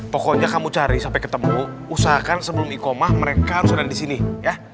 pokoknya kamu cari sampai ketemu usahakan sebelum ikomah mereka harus ada disini ya